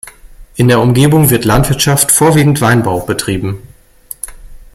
In der Umgebung wird Landwirtschaft, vorwiegend Weinbau, betrieben.